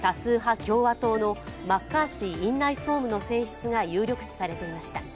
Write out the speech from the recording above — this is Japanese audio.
共和党のマッカーシー院内総務の選出が有力視されていました。